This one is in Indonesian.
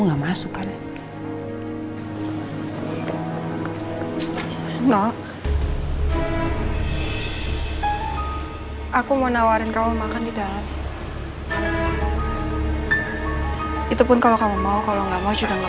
ada semua di rumah dan ada al juga ya